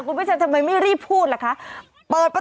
ซื้อให้มันต้องมีในกล่องไว้ล่ะ